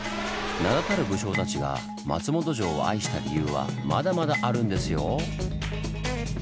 名だたる武将たちが松本城を愛した理由はまだまだあるんですよ！